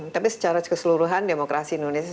tapi secara keseluruhan demokrasi indonesia